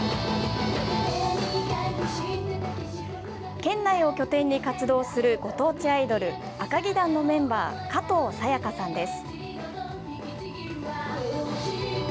県内を拠点に活動するご当地アイドル「あかぎ団」のメンバー加藤さやかさんです。